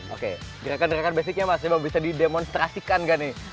oke gerakan gerakan basicnya mas emang bisa didemonstrasikan gak nih